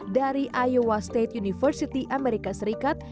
dari iowa state university amerika serikat